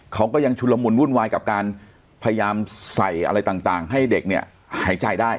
เขาก็ยังชุลมุนวุ่นวายกับการพยายามใส่อะไรต่างให้เด็กเนี่ยหายใจได้